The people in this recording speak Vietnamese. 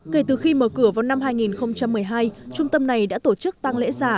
kể từ khi mở cửa vào năm hai nghìn một mươi hai trung tâm này đã tổ chức tăng lễ giả